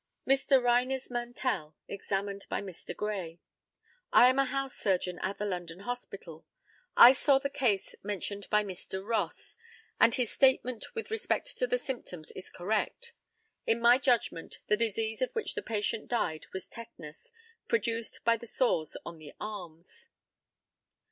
Mr. RYNERS MANTELL, examined by Mr. GRAY. I am a house surgeon at the London Hospital. I saw the case mentioned by Mr. Ross, and his statement with respect to the symptoms is correct. In my judgment, the disease of which the patient died was tetanus, produced by the sores on the arms.